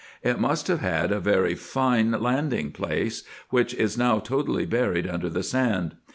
It must have had a very fine landing place, which is now totally buried under the sand.